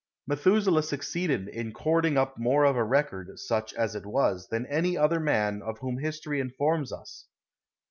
Methuselah succeeded in cording up more of a record, such as it was, than any other man of whom history informs us.